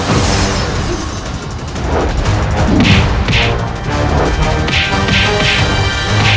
aku tidak tahu diri